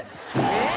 えっ？